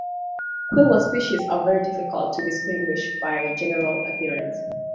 Quillwort species are very difficult to distinguish by general appearance.